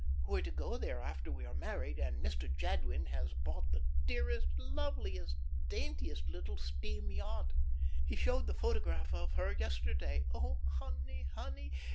We're to go there after we are married, and Mr. Jadwin has bought the dearest, loveliest, daintiest little steam yacht. He showed the photograph of her yesterday. Oh, honey, honey!